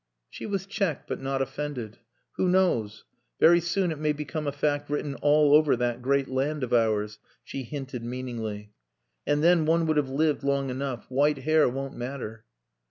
She was checked but not offended. "Who knows? Very soon it may become a fact written all over that great land of ours," she hinted meaningly. "And then one would have lived long enough. White hair won't matter."